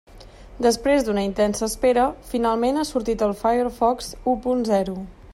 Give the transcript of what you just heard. Després d'una intensa espera, finalment ha sortit el Firefox u punt zero.